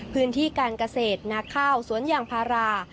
พื้นที่การเกษตรนาข้าวสวนยางพารา